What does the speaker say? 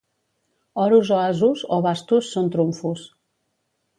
Oros o asos, o bastos són trumfos.